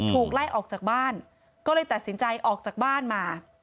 ถูกไล่ออกจากบ้านก็เลยตัดสินใจออกจากบ้านมา